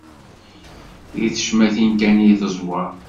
Di tecmatin kan i teẓwer.